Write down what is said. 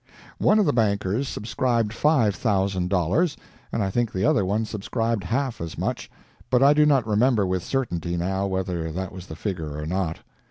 One of the bankers subscribed five thousand dollars, and I think the other one subscribed half as much, but I do not remember with certainty now whether that was the figure or not.